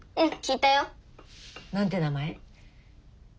何て名前？